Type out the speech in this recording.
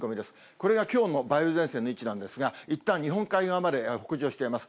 これがきょうの梅雨前線の位置なんですが、いったん、日本海側まで北上しています。